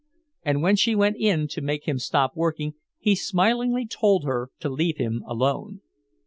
And when she went in to make him stop working he smilingly told her to leave him alone.